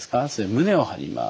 胸を張ります。